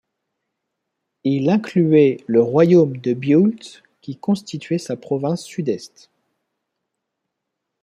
Il incluait le royaume de Buellt qui constituait sa province sud-est.